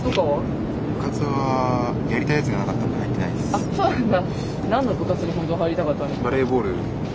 あっそうなんだ。